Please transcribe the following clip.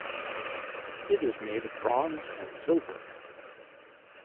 It is made of bronze and silver.